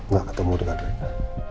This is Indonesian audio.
gak ketemu dengan reyna